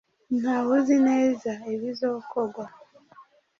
"Nta wuzi neza ibizokogwa